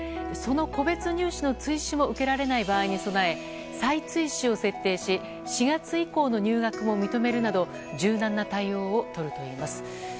その個別入試の追試も受けられない場合に備え再追試を設定し４月以降の入学も認めるなど柔軟な対応をとるといいます。